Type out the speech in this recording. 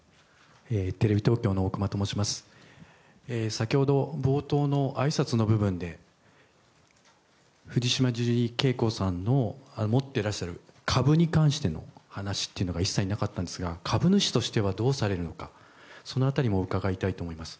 先ほど冒頭のあいさつの部分で藤島ジュリー景子さんの持っていらっしゃる株に関しての話というのが一切なかったんですが株主としてはどうされるのかその辺りも伺いたいと思います。